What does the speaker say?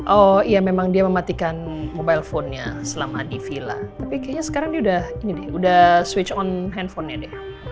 oh iya memang dia mematikan mobilephonenya selama di vila tapi kayaknya sekarang dia sudah switch on handphonenya deh